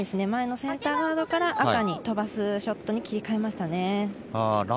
前のセンターガードから赤に飛ばすショットに切り替えましたね。